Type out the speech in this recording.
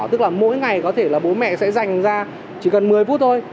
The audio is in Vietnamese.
tức là mỗi ngày có thể là bố mẹ sẽ dành ra chỉ cần một mươi phút thôi